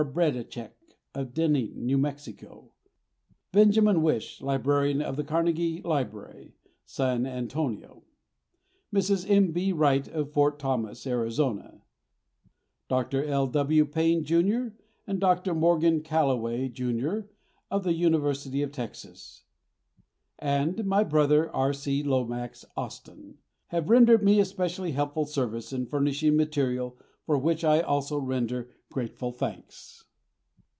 Bedichek, of Deming, N.M.; Benjamin Wyche, Librarian of the Carnegie Library, San Antonio; Mrs. M.B. Wight, of Ft. Thomas, Arizona; Dr. L.W. Payne, Jr., and Dr. Morgan Callaway, Jr., of the University of Texas; and my brother, R.C. Lomax, Austin; have rendered me especially helpful service in furnishing material, for which I also render grateful thanks.